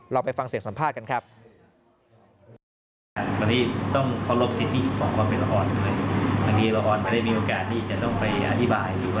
ไปฟังเสียงสัมภาษณ์กันครับ